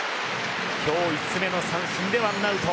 今日５つ目の三振で１アウト。